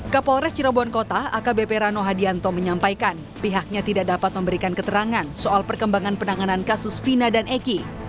kapolres cirebon kota akbp rano hadianto menyampaikan pihaknya tidak dapat memberikan keterangan soal perkembangan penanganan kasus vina dan eki